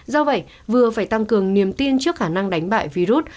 do vậy vừa phải tăng cường niềm tin trước khả năng đánh bại virus